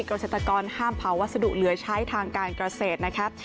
กระเศรษฐกรห้ามเผาวัสดุเหลือใช้ทางการเกษตรนะคะ